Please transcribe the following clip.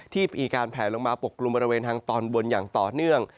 ที่มีการแผลลงมาปกกลุ่มบริเวณทางตอนบนอย่างต่อเนื่อง